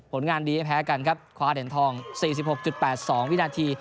ผลงานดีไม่แพ้กันครับคว้าเหรียญทอง๔๖๘๒วินาที